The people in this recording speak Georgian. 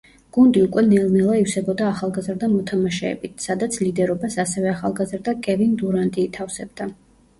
გუნდი უკვე ნელ-ნელა ივსებოდა ახალგაზრდა მოთამაშეებით, სადაც ლიდერობას ასევე ახალგაზრდა კევინ დურანტი ითავსებდა.